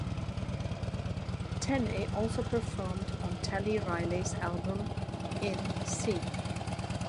Tenney also performed on Terry Riley's album "In C".